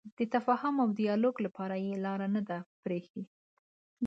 د تفاهم او ډیالوګ لپاره یې لاره نه ده پرېښې.